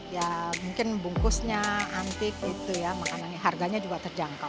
ya mungkin bungkusnya antik gitu ya makanan ini harganya juga terjangkau